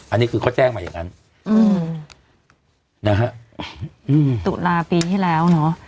อันนี้คือเขาแจ้งมาอย่างงั้นอืมนะฮะอืมตุลาปีที่แล้วเนอะ